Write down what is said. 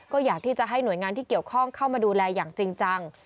ก็อยากที่จะให้หน่วยงานที่เกี่ยวข้องเข้ามาดูแลอย่างจริงจัง